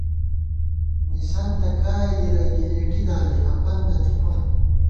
مسَنتہ کائے گِرَئی گِلېٹی دالی ہپَن نہ تھِمان